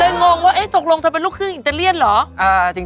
เลยงงว่าตกลงเธอเป็นลูกคื่นอินเตอร์เลียนเหรอ